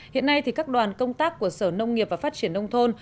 hiện nay các đoàn công tác của sở nông nghiệp và phát triển nông thôn